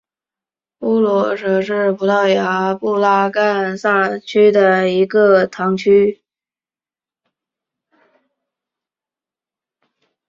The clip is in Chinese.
乌罗什是葡萄牙布拉干萨区的一个堂区。